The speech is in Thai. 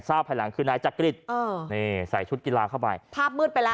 ทราบภายหลังคือนายจักริจใส่ชุดกีฬาเข้าไปภาพมืดไปแล้ว